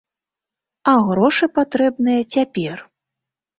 А грошы патрэбныя цяпер.